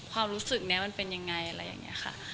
ความรู้สึกนี้มันเป็นยังไงอะไรอย่างนี้ค่ะ